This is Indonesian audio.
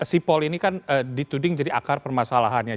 sipol ini kan dituding jadi akar permasalahannya